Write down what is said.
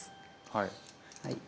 はい。